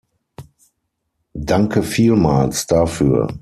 Danke vielmals dafür.